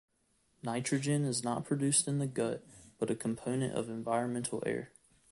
Nitrogen is not produced in the gut, but a component of environmental air.